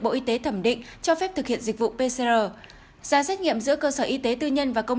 bộ y tế thẩm định cho phép thực hiện dịch vụ pcr giá xét nghiệm giữa cơ sở y tế tư nhân và công